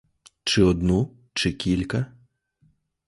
Чи одну, чи кілька?